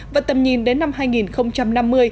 và tầm nhìn đến năm hai nghìn năm mươi